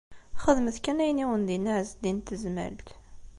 Xedmet kan ayen i awen-d-yenna Ɛezdin n Tezmalt.